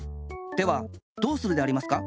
ではどうするでありますか？